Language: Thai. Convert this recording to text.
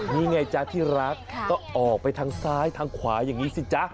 นี่ไงจ๊ะที่รักก็ออกไปทางซ้ายทางขวาอย่างนี้สิจ๊ะ